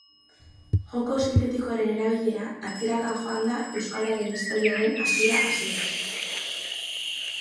Joko sintetikoaren erabilera atzeraka joan da euskararen historiaren hasiera-hasieratik.